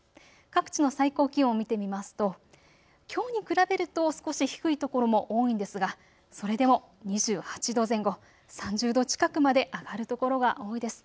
各地の最高気温、見てみますときょうに比べると少し低い所も多いんですがそれでも２８度前後、３０度近くまで上がる所が多いです。